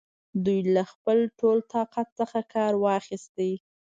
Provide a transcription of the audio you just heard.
دوی له خپل ټول طاقت څخه کار واخیست.